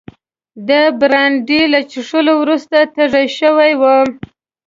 د برانډي له څښلو وروسته تږی شوی وم.